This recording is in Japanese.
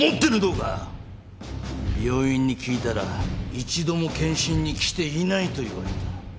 病院に聞いたら一度も健診に来ていないと言われた。